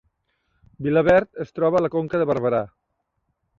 Vilaverd es troba a la Conca de Barberà